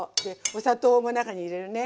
お砂糖も中に入れるね。